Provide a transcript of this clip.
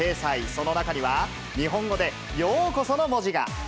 その中には、日本語で、ようこその文字が。